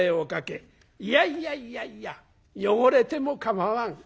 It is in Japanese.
いやいやいやいや汚れても構わん」。